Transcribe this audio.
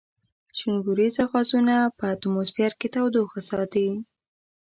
شینکوریزه غازونه په اتموسفیر کې تودوخه ساتي.